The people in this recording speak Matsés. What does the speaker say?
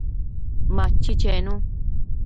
Machi chenu